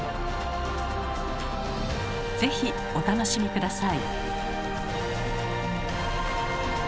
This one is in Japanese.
是非お楽しみ下さい。